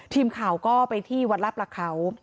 ทีมข่าวก็ไปที่วัดลาประเขา